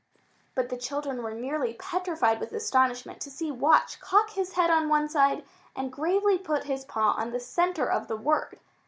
But the children were nearly petrified with astonishment to see Watch cock his head on one side and gravely put his paw on the center of the word!